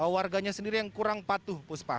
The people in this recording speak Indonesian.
warganya sendiri yang kurang patuh puspa